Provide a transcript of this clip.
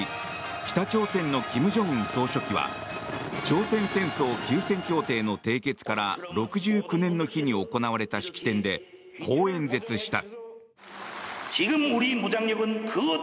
北朝鮮の金正恩総書記は朝鮮戦争休戦協定の締結から６９年の日に行われた式典でこう演説した。